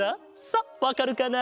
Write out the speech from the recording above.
さあわかるかな？